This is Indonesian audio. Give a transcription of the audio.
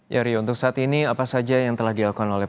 ya rio untuk saat ini apa saja yang telah dilakukan oleh